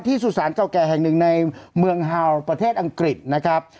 สุสานเก่าแก่แห่งหนึ่งในเมืองฮาวประเทศอังกฤษนะครับ